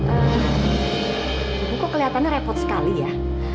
eh bu kok kelihatannya repot sekali ya